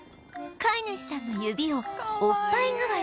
飼い主さんの指をおっぱい代わりに